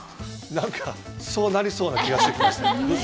そうなりそうな気がしてきました。